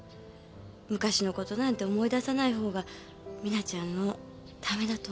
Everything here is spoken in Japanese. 昔のことなんて思い出さないほうが実那ちゃんのためだと思う。